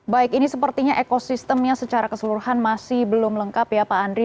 baik ini sepertinya ekosistemnya secara keseluruhan masih belum lengkap ya pak andri